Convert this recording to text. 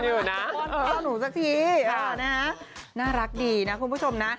อ้อนข้าวหนูสักทีน่ารักดีนะคุณผู้ชมนะ